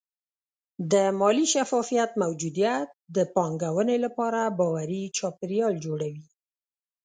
د مالي شفافیت موجودیت د پانګونې لپاره باوري چاپېریال جوړوي.